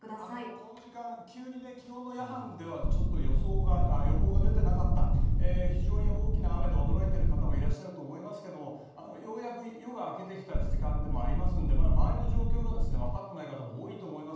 この時間急に昨日の夜半ではちょっと予報が出ていなかった非常に大きな雨で驚いている方もいらっしゃると思いますがようやく夜が明けてきた時間でもありますので、まだ周りの状況がわかっていない方も多いと思います。